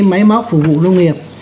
máy móc phục vụ nông nghiệp